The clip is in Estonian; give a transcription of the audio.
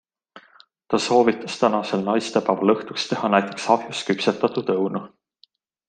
Ta soovitas tänasel naistepäeval õhtuks teha näiteks ahjus küpsetatud õunu.